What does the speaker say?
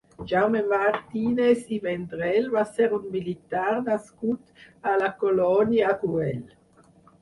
Jaume Martínez i Vendrell va ser un militar nascut a La Colònia Güell.